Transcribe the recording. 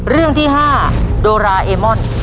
เรื่องที่๕โดราเอมอน